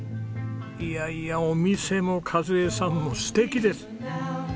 いやいやお店も和枝さんも素敵です。